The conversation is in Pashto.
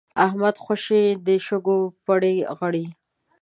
احمد خوشی د شګو پړي غړي.